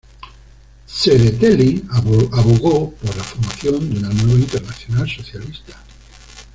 Tsereteli abogó por la formación de una nueva Internacional Socialista.